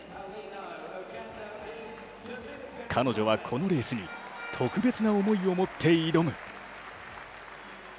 彼女はこのレースに特別な思いを持って挑む。